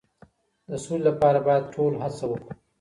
د سولې لپاره باید ټول هڅه وکړو.